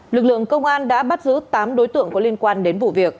lực lượng công an đã bắt giữ tám đối tượng có liên quan đến vụ việc